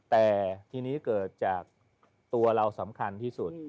แต่ทีนี้เกิดจากตัวเราสำคัญที่สุด